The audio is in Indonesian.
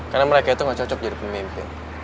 karena mereka itu nggak cocok jadi pemimpin